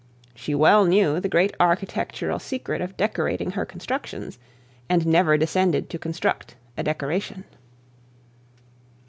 She well knew the great architectural secret of decorating her constructions, and never condescended to construct a decoration.